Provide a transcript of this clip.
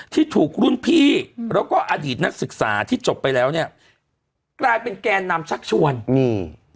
ที่ถูกรุ่นพี่แล้วก็อดีตนักศึกษาที่จบไปแล้วเนี่ยกลายเป็นแกนนำชักชวนนี่